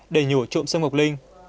để nhổ trộm sâm ngọc linh